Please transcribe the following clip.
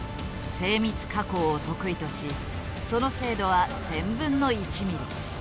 精密加工を得意としその精度は１，０００分の１ミリ。